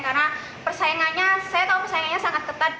karena persaingannya saya tahu persaingannya sangat ketat